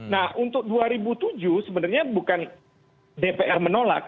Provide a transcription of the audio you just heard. nah untuk dua ribu tujuh sebenarnya bukan dpr menolak